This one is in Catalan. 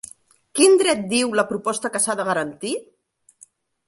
Quin dret diu la proposta que s'ha de garantir?